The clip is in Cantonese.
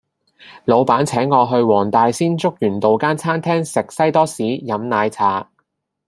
老闆請我去黃大仙竹園道間餐廳食西多士飲奶茶